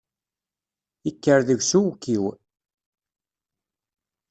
Ikker deg-s uwekkiw.